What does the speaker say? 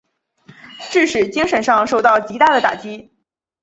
致使精神上受到极大的打击。